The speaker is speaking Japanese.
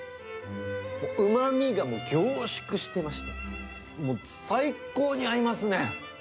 もう、うまみが凝縮してまして、もう最高に合いますね。